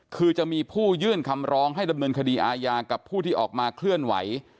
คือจะมีผู้ยื่นคำร้องให้ดำเนินคดีอาญากับผู้ที่ออกมาเคลื่อนไหว